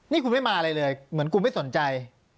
นี่คุณไม่มาเลยเหลือเหมือนกูไม่สนใจ